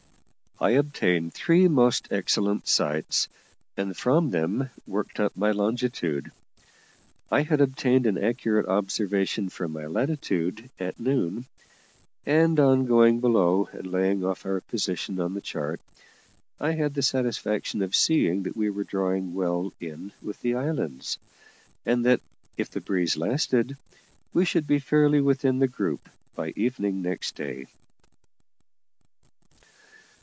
I obtained three most excellent sights, and from them worked up my longitude. I had obtained an accurate observation for my latitude at noon, and, on going below and laying off our position on the chart, I had the satisfaction of seeing that we were drawing well in with the islands, and that, if the breeze lasted, we should be fairly within the group by evening next day.